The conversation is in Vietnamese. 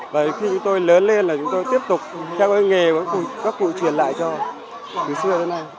và khi chúng tôi lớn lên là chúng tôi tiếp tục theo cái nghề của các cụ truyền lại cho từ xưa đến nay